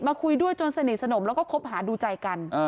คุยด้วยจนสนิทสนมแล้วก็คบหาดูใจกัน